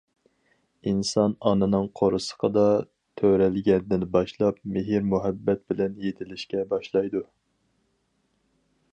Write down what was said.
ئىنسان ئانىنىڭ قورسىقىدا تۆرەلگەندىن باشلاپ مېھىر-مۇھەببەت بىلەن يېتىلىشكە باشلايدۇ.